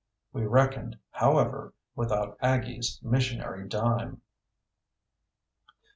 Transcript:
We reckoned, however, without Aggie's missionary dime.